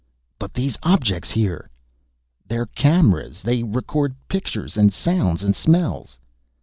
"But these objects here?" "They're cameras. They record pictures and sounds and smells."